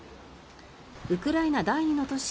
ウクライナ第２の都市